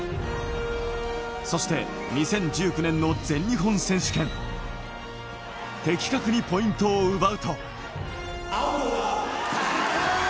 そして２０１９年の全日本選手権、的確にポイントを奪うと。